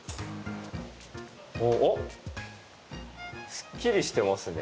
おっ、すっきりしてますね。